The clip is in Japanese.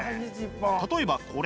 例えばこれ。